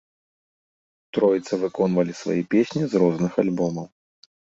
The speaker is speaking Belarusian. Троіца выконвалі свае песні з розных альбомаў.